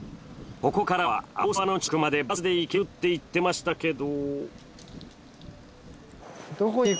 ここからは青沢の近くまでバスで行けるって言ってましたけど。